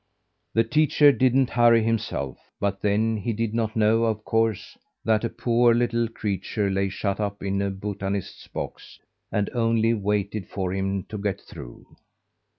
The teacher didn't hurry himself; but then he did not know, of course, that a poor little creature lay shut up in a botanist's box, and only waited for him to get through.